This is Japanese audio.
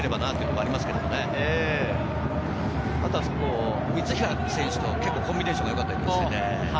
あとは三平選手とコンビネーションがよかったですね。